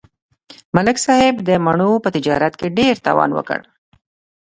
ملک صاحب د مڼو په تجارت کې ډېر تاوان وکړ.